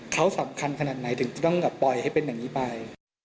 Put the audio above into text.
เขาสำคัญขนาดไหนถึงจะต้องปล่อยให้เป็นอย่างนี้ไป